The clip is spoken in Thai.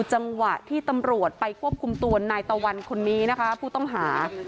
จังหวะที่ตำรวจไปควบคุมตัวนายตะวันคนนี้นะคะผู้ต้องหา